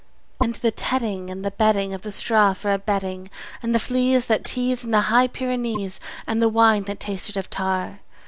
And the tedding and the bedding Of the straw for a bedding, And the fleas that tease in the High Pyrenees, And the wine that tasted of tar?